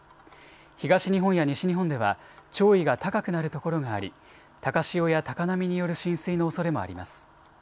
東日本や西日本では潮位が高くなるところがあり高潮や高波による浸水のおそれもあります。